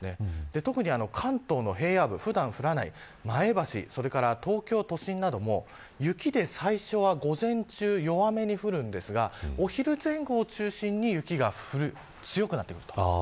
特に、関東の平野部普段降らない前橋東京都心なども雪で最初は午前中弱めに降るんですがお昼前後を中心に雪が強くなってくると。